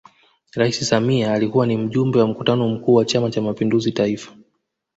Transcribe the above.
Rais Samia alikuwa ni Mjumbe wa Mkutano Mkuu wa Chama Cha Mapinduzi Taifa